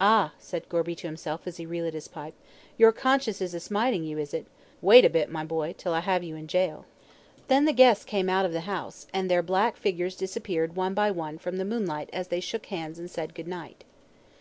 "Ah," said Gorby to himself as he re lit his pipe; "your conscience is a smiting you, is it? Wait a bit, my boy, till I have you in gaol." Then the guests came out of the house, and their black figures disappeared one by one from the moonlight as they shook hands and said good night.